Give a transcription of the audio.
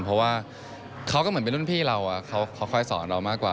เพราะว่าเขาก็เหมือนเป็นรุ่นพี่เราเขาคอยสอนเรามากกว่า